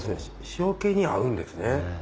塩気に合うんですね。